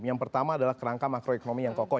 yang pertama adalah kerangka makroekonomi yang kokoh